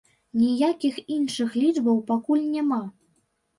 Ніякіх іншых лічбаў пакуль няма.